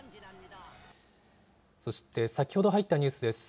そして、先ほど入ったニュースです。